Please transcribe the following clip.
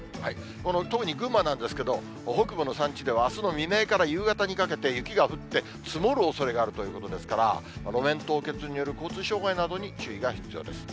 特に群馬なんですけど、北部の山地ではあすの未明から夕方にかけて雪が降って、積もるおそれがあるということですから、路面凍結による交通障害などに注意が必要です。